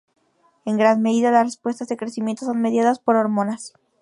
En gran medida, las respuestas de crecimiento son mediadas por hormonas.